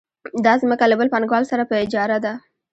دا ځمکه له بل پانګوال سره په اجاره ده